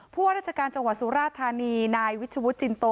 เพื่อราชการจฐวส์ศูอาธรรณีนายวิชวุทธิ์จินโต